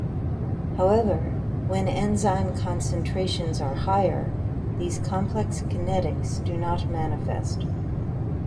However, when enzyme concentrations are higher, these complex kinetics do not manifest.